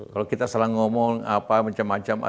kalau kita salah ngomong apa macam macam